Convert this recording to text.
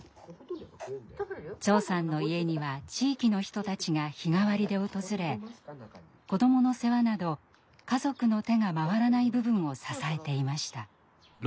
長さんの家には地域の人たちが日替わりで訪れ子どもの世話など家族の手が回らない部分を支えていました。